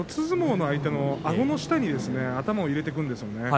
相撲の相手のあごの下に頭を入れてくるんです。